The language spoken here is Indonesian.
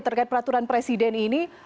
terkait peraturan presiden ini